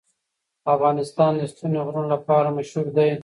افغانستان د ستوني غرونه لپاره مشهور دی.